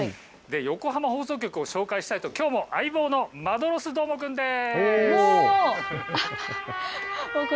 横浜放送局を紹介したいときょうも相棒のマドロスどーもくんです。